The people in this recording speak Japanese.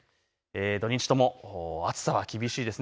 土日とも暑さが厳しいです。